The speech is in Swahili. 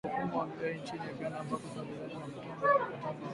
Mfumuko wa Bei Nchini Uganda ambako usambazaji mafuta umevurugika tangu Januari